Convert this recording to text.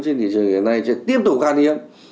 trên thị trường hiện nay sẽ tiếp tục khan hiếm